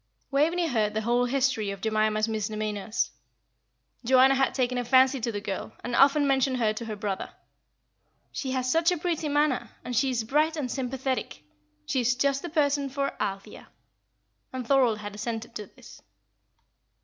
Waveney heard the whole history of Jemima's misdemeanours. Joanna had taken a fancy to the girl, and often mentioned her to her brother. "She has such a pretty manner, and she is bright and sympathetic. She is just the person for Althea;" and Thorold had assented to this.